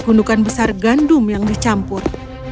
gundukan besar gandum yang dicampur